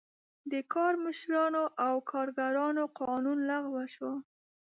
د کارمشرانو او کارګرانو قانون لغوه شو.